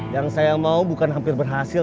yang saya mau bukan hampir berhasil